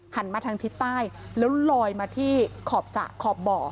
มาทางทิศใต้แล้วลอยมาที่ขอบสระขอบบ่อ